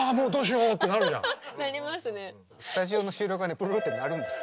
スタジオの収録はねプルルって鳴るんです。